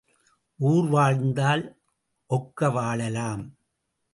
ஊர் வாழ்ந்தால் ஒக்க வாழலாம்.